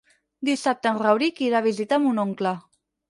Dissabte en Rauric irà a visitar mon oncle.